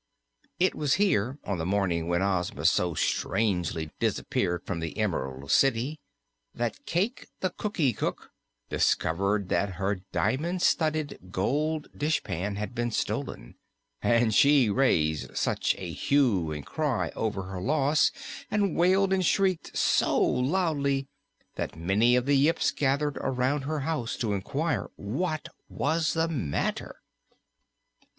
It was here, on the morning when Ozma so strangely disappeared from the Emerald City, that Cayke the Cookie Cook discovered that her diamond studded gold dishpan had been stolen, and she raised such a hue and cry over her loss and wailed and shrieked so loudly that many of the Yips gathered around her house to inquire what was the matter.